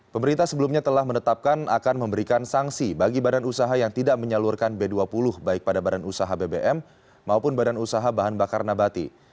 pemerintah sebelumnya telah menetapkan akan memberikan sanksi bagi badan usaha yang tidak menyalurkan b dua puluh baik pada badan usaha bbm maupun badan usaha bahan bakar nabati